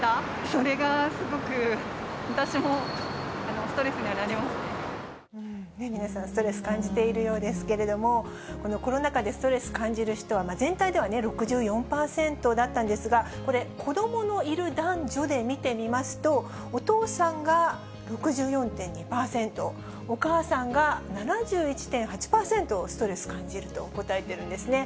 それがすごく私も、ストレスには皆さん、ストレス感じているようですけれども、このコロナ禍でストレス感じる人は、全体では６４％だったんですが、これ、子どものいる男女で見てみますと、お父さんが６４．２％、お母さんが７１．８％、ストレス感じると答えてるんですね。